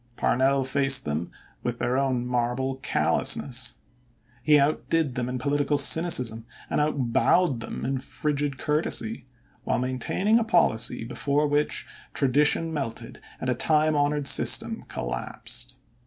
Parnell faced them with their own marble callousness. He outdid them in political cynicism and out bowed them in frigid courtesy, while maintaining a policy before which tradition melted and a time honored system collapsed.